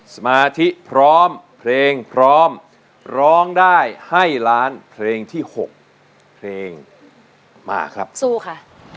สมาธิพร้อมเพลงพร้อมร้องได้ให้ล้านเพลงที่๖เพลงมาครับสู้ค่ะ